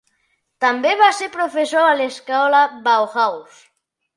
També va ser professor a l'escola Bauhaus.